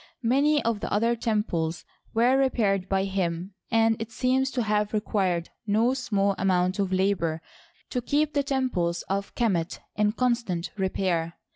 Many of the other temples nvere repaired by him, and it seems to have required no small amount of labor to keep the temples of Qimet in constant repair.